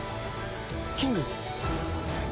キング。